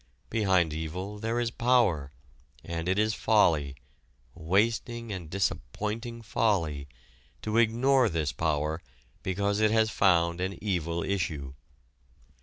Behind evil there is power, and it is folly, wasting and disappointing folly, to ignore this power because it has found an evil issue.